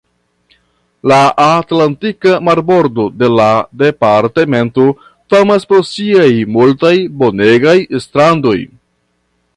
La Atlantika marbordo de la departemento famas pro siaj multaj bonegaj strandoj.